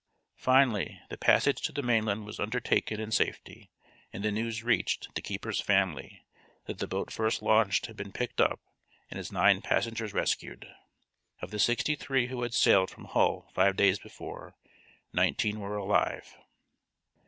Finally, the passage to the mainland was undertaken in safety, and the news reached the keeper's family that the boat first launched had been picked up and its nine passengers rescued. Of the sixty three who had sailed from Hull five days before, nineteen were alive.